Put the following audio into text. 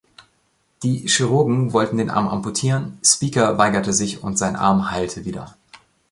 Die Chirurgen wollten den Arm amputieren, Speaker weigerte sich und sein Arm heilte wieder.